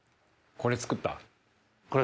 これ作った？